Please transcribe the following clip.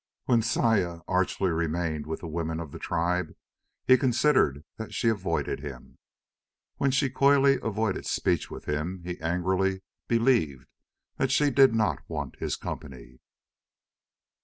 When Saya archly remained with the women of the tribe, he considered that she avoided him. When she coyly avoided speech with him, he angrily believed that she did not want his company.